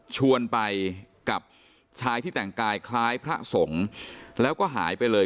ชวนไปกับชายที่แต่งกายคล้ายพระสงฆ์แล้วก็หายไปเลย